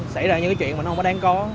xảy ra những cái chuyện mà nó không có đáng có